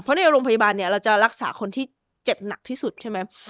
เพราะในโรงพยาบาลเนี่ยเราจะรักษาคนที่เจ็บหนักที่สุดใช่ไหม